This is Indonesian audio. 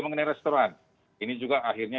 mengenai restoran ini juga akhirnya